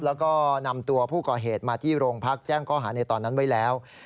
แล้วก็นำตัวผู้ก่อเหตุมาที่โรงพักแจ้งข้อหาในตอนนั้นไว้แล้ว